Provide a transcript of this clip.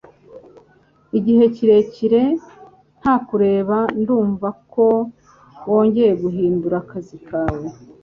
Igihe kirekire, nta kureba Ndumva ko wongeye guhindura akazi kawe